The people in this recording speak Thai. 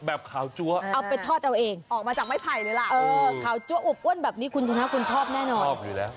แบบขาวจั๊วเอาไปทอดเอาเองออกมาจากไม้ไผ่เลยล่ะเออขาวจั๊วอบอ้วนแบบนี้คุณชนะคุณชอบแน่นอนชอบอยู่แล้ว